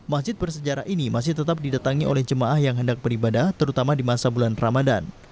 masjid bersejarah ini masih tetap didatangi oleh jemaah yang hendak beribadah terutama di masa bulan ramadan